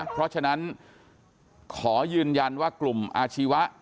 เพราะฉะนั้นขอยืนยันว่ากลุ่มอาชีวะ